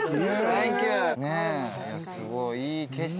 すごいいい景色。